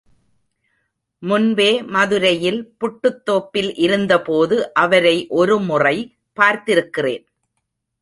முன்பே மதுரையில் புட்டுத்தோப்பில் இருந்தபோது அவரை ஒருமுறை பார்த்திருக்கிறேன்.